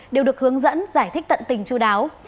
đều được hướng dẫn giải thích tận tình chú đáo